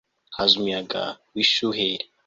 haza umuyaga w ishuheri